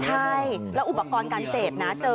ใช่แล้วอุปกรณ์การเสพนะเจอ